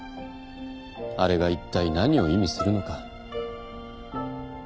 あれがいったい何を意味するのか。